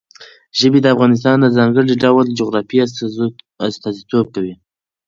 ژبې د افغانستان د ځانګړي ډول جغرافیه استازیتوب کوي.